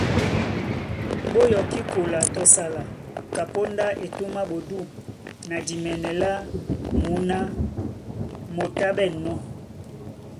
Ɓó yɔkí kola tɔ sala, kapóndá etûm á ɓodû na dimɛnɛ lá mǔná moto á ɓɛ̂nnɔ́.